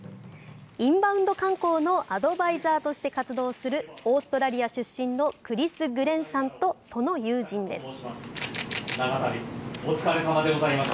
インバウンド観光のアドバイザーとして活動するオーストリア出身のクリス・グレンさんとその友人です。